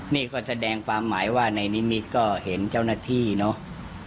นี่ก็แสดงความหมายว่าในนิมิตก็เห็นเจ้าหน้าที่เนอะ